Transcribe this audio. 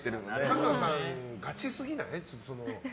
太川さん、ガチすぎない？